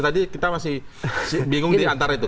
tadi kita masih bingung diantara itu